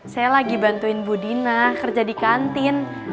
saya lagi bantuin bu dina kerja di kantin